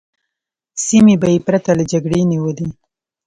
سیمې به یې پرته له جګړې نیولې.